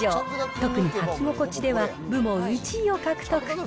特に履き心地では、部門１位を獲得。